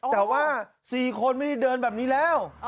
แต่ว่า๔คนไม่ได้เดินแบบนี้แล้ว